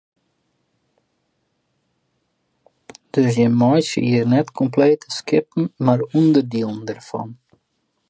Dus jim meitsje hjir net komplete skippen mar ûnderdielen dêrfan?